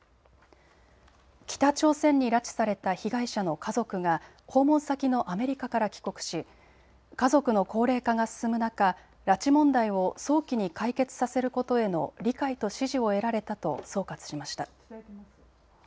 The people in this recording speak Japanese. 北朝鮮に拉致された被害者の家族が訪問先のアメリカから帰国し家族の高齢化が進む中、拉致問題を早期に解決させることへの理解と支持を得られたと総括しました。